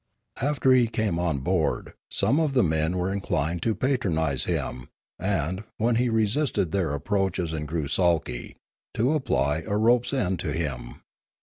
After he came on board, some of the men were in clined to patronise him, and, when he resisted their approaches and grew sulky, to apply a rope's end to him.